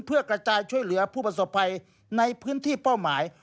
เพื่อกระจายช่วยเหลือผู้ประสบภัยในพื้นที่เป้าหมาย